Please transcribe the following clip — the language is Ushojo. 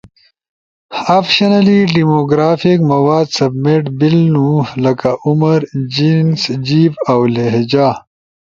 اپشنلی ڈیموگرافک مواد سبمیٹ بیلنو[لکہ عمر، جنس، جیب، اؤ لہجہ]۔